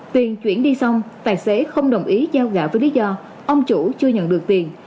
tiền chuyển đi xong tài xế không đồng ý giao gạo với lý do ông chủ chưa nhận được tiền